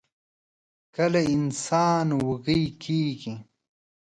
کله انسان وږۍ کيږي؟